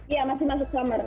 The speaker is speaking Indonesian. iya masih masuk summer